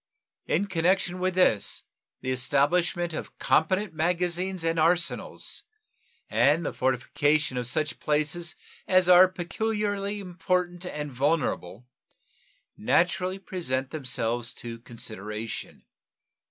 In connection with this the establishment of competent magazines and arsenals and the fortification of such places as are peculiarly important and vulnerable naturally present themselves to consideration.